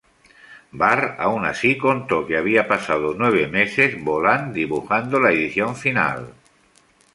Barr aún así contó que había pasado nueve meses Bolland dibujando la edición final.